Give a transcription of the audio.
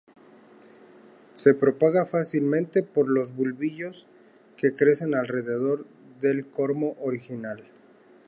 Se propaga fácilmente por los bulbillos que crecen alrededor del cormo original.